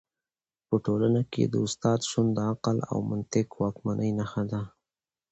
په ټولنه کي د استاد شتون د عقل او منطق د واکمنۍ نښه ده.